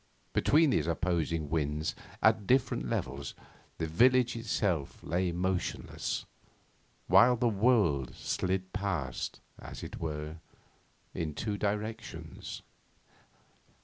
Between these opposing winds at different levels the village itself lay motionless, while the world slid past, as it were, in two directions.